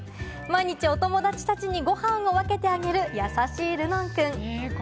毎日お友達たちにご飯を分けてあげる、優しい、るのんくん。